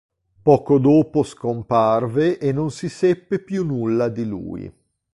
Poco dopo scomparve e non si seppe più nulla di lui.